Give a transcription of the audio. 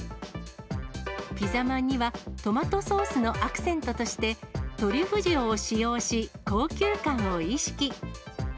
ピザまんにはトマトソースのアクセントとして、トリュフ塩を使用し、高級感を意識。